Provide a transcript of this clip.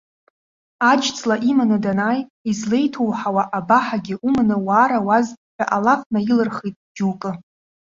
Аџьҵла иманы данааи, излеиҭоуҳауа абаҳагьы уманы уаарауаз ҳәа алаф наилырхит џьоукы.